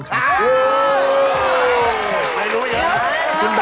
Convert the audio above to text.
ใครรู้อย่างนั้น